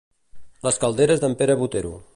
Les calderes d'en Pere Botero.